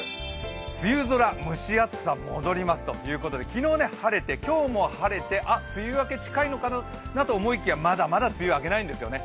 梅雨空、蒸し暑さ戻りますということで、昨日ね、晴れて今日も晴れてあっ、梅雨明け近いのかなと思いきや、まだまだ梅雨明けないんですよね。